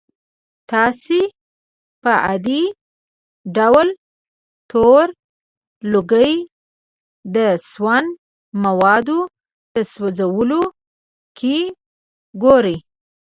تاسې په عادي ډول تور لوګی د سون موادو د سوځولو کې ګورئ.